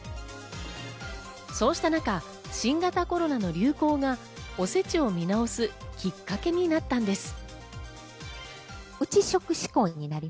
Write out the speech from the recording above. そうした中、新型コロナの流行が、おせちを見直すきっかけになったのです。